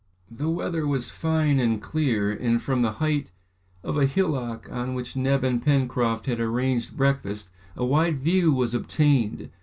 ] The weather was fine and clear, and from the height of a hillock on which Neb and Pencroft had arranged breakfast, a wide view was obtained.